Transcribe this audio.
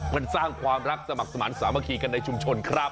มันสร้างความรักสมัครสมาธิสามัคคีกันในชุมชนครับ